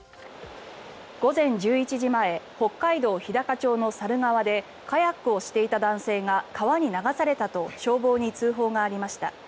午前１１時前北海道日高町の沙流川でカヤックをしていた男性が川に流されたと消防に通報がありました。